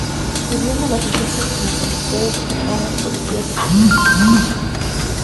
Sirvieron a los egipcios como conductores de caravanas, policías y soldados profesionales.